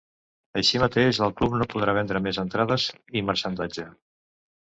Així mateix, el club no podrà vendre més entrades i marxandatge.